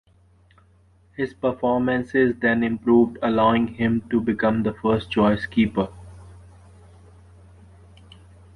His performances then improved, allowing him to become the first-choice keeper.